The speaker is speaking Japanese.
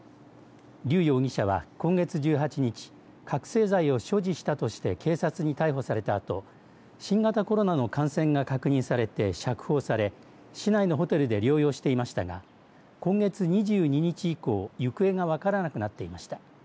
劉容疑者は今月１８日覚醒剤を所持したとして警察に逮捕されたあと新型コロナの感染が確認されて釈放され、市内のホテルで療養していましたが今月２２日以降、行方が分からなくなっていました。